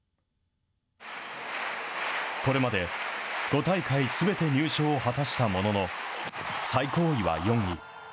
これまで５大会すべて入賞を果たしたものの、最高位は４位。